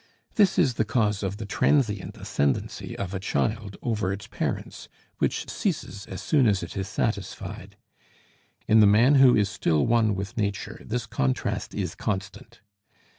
This is the cause of the transient ascendency of a child over its parents, which ceases as soon as it is satisfied; in the man who is still one with nature, this contrast is constant.